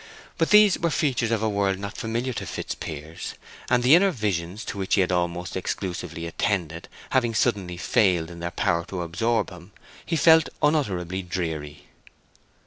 But these were features of a world not familiar to Fitzpiers, and the inner visions to which he had almost exclusively attended having suddenly failed in their power to absorb him, he felt unutterably dreary.